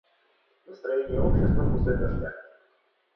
Настроение общества после дождя.